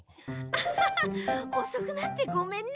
アハハおそくなってごめんね。